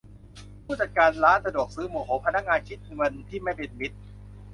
ผู้จัดการร้านสะดวกซื้อโมโหพนักงานคิดเงินที่ไม่เป็นมิตร